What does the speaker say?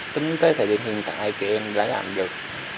tính tới thời điểm hiện tại chị em đã làm được